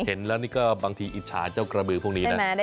เห็นแล้วนี่ก็บางทีอิจฉาเจ้ากระบือพวกนี้นะ